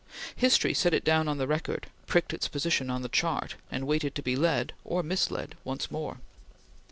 History set it down on the record pricked its position on the chart and waited to be led, or misled, once more.